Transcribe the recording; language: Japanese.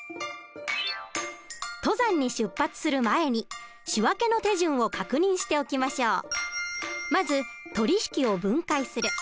登山に出発する前に仕訳の手順を確認しておきましょう。